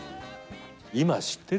今、知ってる？